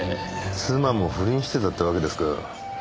妻も不倫してたってわけですか。